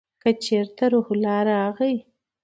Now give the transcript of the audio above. که چېرته روح الله راغی !